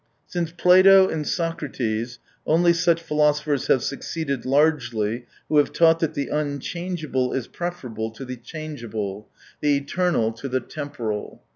Since Plato and Socrates, only such philosophers have succeeded largely who have taught that the unchangeable is preferable to the change 42 able, the eternal to the temporal.